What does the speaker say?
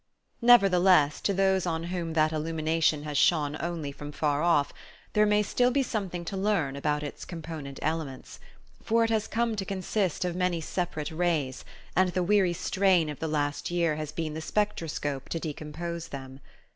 Nevertheless, to those on whom that illumination has shone only from far off, there may still be something to learn about its component elements; for it has come to consist of many separate rays, and the weary strain of the last year has been the spectroscope to decompose them.